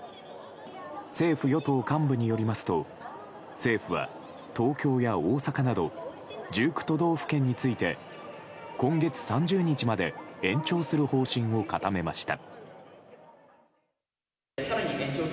政府・与党幹部によりますと政府は、東京や大阪など１９都道府県について今月３０日まで延長する方針を固めました。